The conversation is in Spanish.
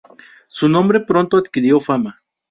Su nombre pronto adquirió fama.